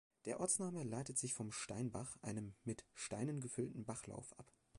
Der Ortsname leitet sich vom "Steinbach", einem mit Steinen gefüllten Bachlauf, ab.